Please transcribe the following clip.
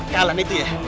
kalah nih itu ya